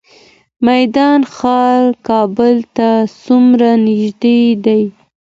میدان ښار کابل ته څومره نږدې دی؟